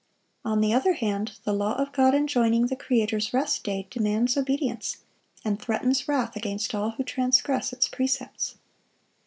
On the other hand, the law of God enjoining the Creator's rest day demands obedience, and threatens wrath against all who transgress its precepts.